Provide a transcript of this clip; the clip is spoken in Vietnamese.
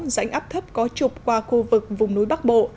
rãnh áp thấp có trục qua khu vực vùng núi bắc bộ